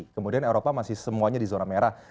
kemudian eropa masih semuanya di zona merah